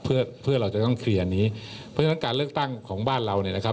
เพื่อเราจะต้องเคลียร์อันนี้เพราะฉะนั้นการเลือกตั้งของบ้านเรา